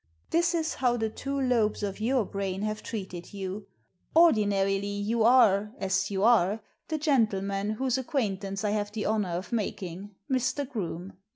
This b how the two lobes of your brain have treated you. Ordinarily you are — as you are — the gentleman whose acquaintance I have the honour of making, Mr. Groome.